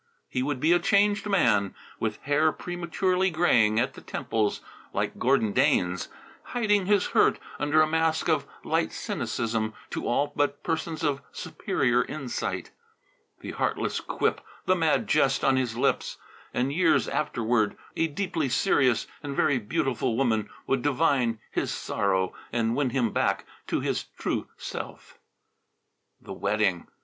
He would be a changed man, with hair prematurely graying at the temples, like Gordon Dane's, hiding his hurt under a mask of light cynicism to all but persons of superior insight. The heartless quip, the mad jest on his lips! And years afterward, a deeply serious and very beautiful woman would divine his sorrow and win him back to his true self. The wedding!